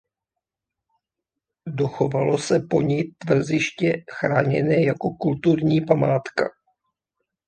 Dochovalo se po ni tvrziště chráněné jako kulturní památka.